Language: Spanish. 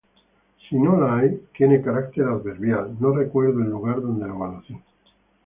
Si no lo hay, tiene carácter adverbial: No recuerdo el lugar donde lo conocí.